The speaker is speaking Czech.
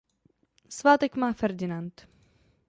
Svátek má Ferdinand.